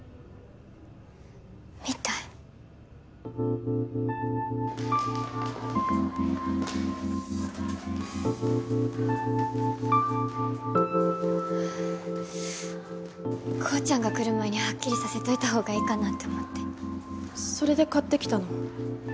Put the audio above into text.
みたいコウちゃんが来る前にハッキリさせといた方がいいかなって思ってそれで買ってきたの？